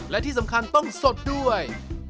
และที่สำคัญต้องสดด้วย